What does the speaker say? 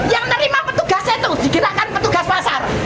yang nerima petugasnya itu digerakkan petugas pasar